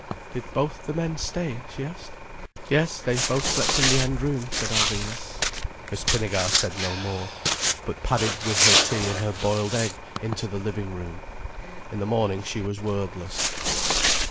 "Did both the men stay?" she asked. "Yes, they both slept in the end room," said Alvina. Miss Pinnegar said no more, but padded with her tea and her boiled egg into the living room. In the morning she was wordless.